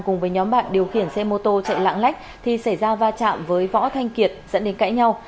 cùng với nhóm bạn điều khiển xe mô tô chạy lạng lách thì xảy ra va chạm với võ thanh kiệt dẫn đến cãi nhau